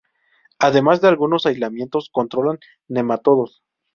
Además de que algunos aislamientos controlan nematodos.